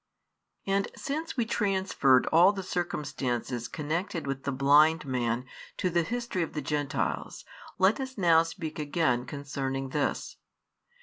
And since we transferred all the circumstances connected with the blind man to the history of the Gentiles, let us now speak again concerning this.